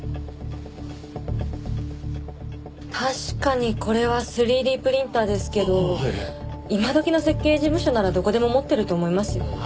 確かにこれは３Ｄプリンターですけど今どきの設計事務所ならどこでも持ってると思いますよ。